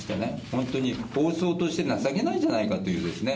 本当に法曹として情けないんじゃないかというね。